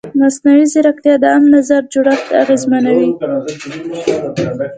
مصنوعي ځیرکتیا د عامه نظر جوړښت اغېزمنوي.